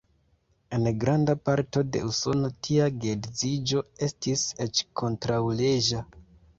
En granda parto de Usono tia geedziĝo estis eĉ kontraŭleĝa.